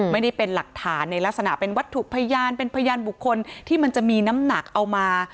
ไม่ได้เป็นหลักฐานในลักษณะเป็นวัตถุพยานเป็นพยานบุคคลที่มันจะมีน้ำหนักเอามา